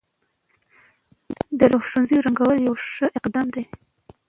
د ښوونځيو رنګول يو ښه اقدام دی.